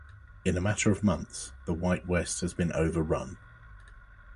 In a matter of months, the white West has been overrun.